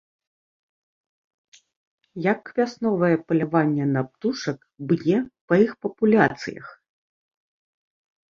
Як вясновае паляванне на птушак б'е па іх папуляцыях?